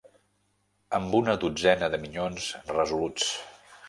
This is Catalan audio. Amb una dotzena de minyons resoluts.